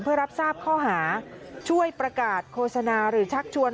เพื่อรับทราบข้อหาช่วยประกาศโฆษณาหรือชักชวน